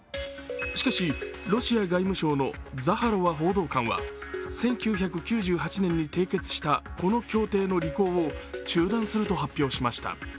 しかし、ロシア外務省のザハロワ報道官は１９９８年に締結したこの協定の履行を中断すると発表しました。